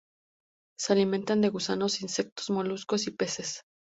Se alimentan de gusanos, insectos moluscos y peces.